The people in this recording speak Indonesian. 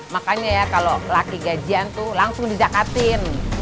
makanya ya kalau laki gajian tuh langsung dizakatin